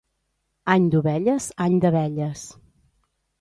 Any d'ovelles, any d'abelles.